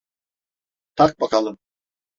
Tak bakalım.